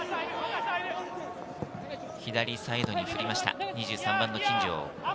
左サイドにおりました、２３番・金城。